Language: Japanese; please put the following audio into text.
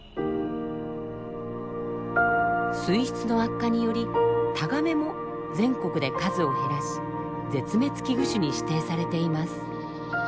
水質の悪化によりタガメも全国で数を減らし絶滅危惧種に指定されています。